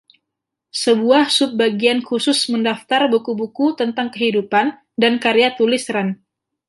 Sebuah subbagian khusus mendaftar buku-buku tentang kehidupan dan karya tulis Rand.